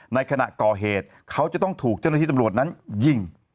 ในขณะก่อเหตุเขาจะต้องถูกเจ้าหน้าที่ตำรวจนั้นยิง